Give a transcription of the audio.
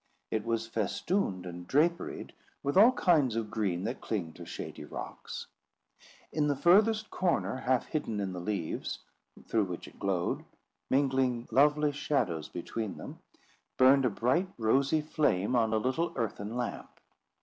It was festooned and draperied with all kinds of green that cling to shady rocks. In the furthest corner, half hidden in leaves, through which it glowed, mingling lovely shadows between them, burned a bright rosy flame on a little earthen lamp.